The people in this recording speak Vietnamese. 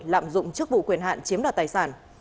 lạm dụng chức vụ quyền hạn chiếm đoạt tài sản